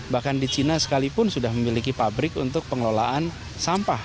bahkan di cina sekalipun sudah memiliki pabrik untuk pengelolaan sampah